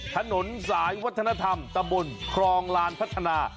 ถนนสายวัฒนธรรมตะบนครองลานพัฒนา